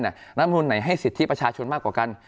รัฐมนุนไหนให้สิทธิประชาชนมากกว่ากัน